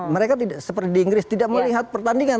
mereka tidak seperti di inggris tidak melihat pertandingan